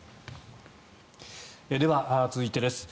では、続いてです。